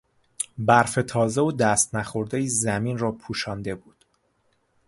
برف تازه و دست نخوردهای زمین را پوشانده بود.